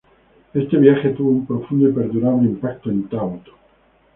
Este viaje tuvo un profundo y perdurable impacto en Taut.